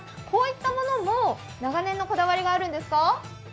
こういったものも長年のこだわりがあるんですか？